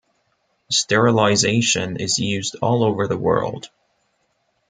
Sterilization is used all over the world.